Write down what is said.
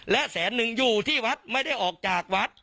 และแสนหนึ่งอยู่ที่วัดไม่ได้ออกจากวัด